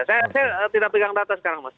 saya tidak pegang data sekarang mas